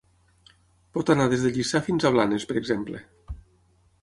Pot anar des de Lliça fins a Blanes, per exemple.